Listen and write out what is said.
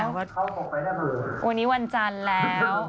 วันนี้วันจันทร์แล้ว